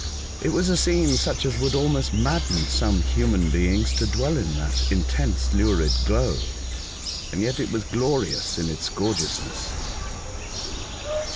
It was a scene such as would almost madden some human beings to dwell in that intense lurid glow, and yet it was glorious in its gorgeousness. K ]30 A Voyage to Other Worlds.